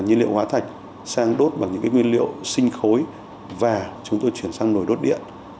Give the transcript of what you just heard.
nhiên liệu hóa thạch sang đốt bằng những nguyên liệu sinh khối và chúng tôi chuyển sang nổi đốt điện